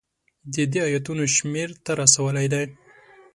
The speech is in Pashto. د دې ایتونو شمېر ته رسولی دی.